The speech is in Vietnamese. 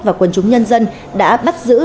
và quân chúng nhân dân đã bắt giữ